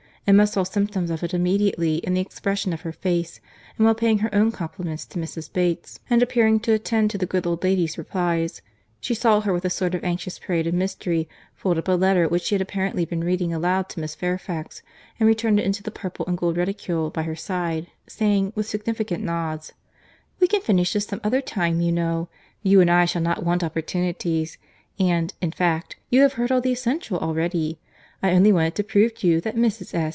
Emma saw symptoms of it immediately in the expression of her face; and while paying her own compliments to Mrs. Bates, and appearing to attend to the good old lady's replies, she saw her with a sort of anxious parade of mystery fold up a letter which she had apparently been reading aloud to Miss Fairfax, and return it into the purple and gold reticule by her side, saying, with significant nods, "We can finish this some other time, you know. You and I shall not want opportunities. And, in fact, you have heard all the essential already. I only wanted to prove to you that Mrs. S.